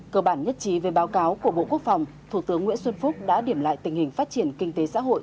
cơ bản nhất trí về báo cáo của bộ quốc phòng thủ tướng nguyễn xuân phúc đã điểm lại tình hình phát triển kinh tế xã hội